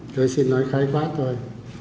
tôi xin nói khai phát thôi